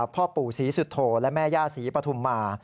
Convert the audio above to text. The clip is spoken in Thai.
พ่อปู่ศรีสุโธและแม่ย่าศรีปฐุมมา